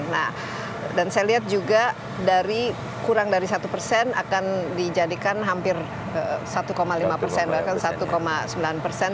nah dan saya lihat juga dari kurang dari satu persen akan dijadikan hampir satu lima persen bahkan satu sembilan persen